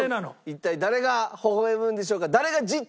一体誰がほほ笑むんでしょうか？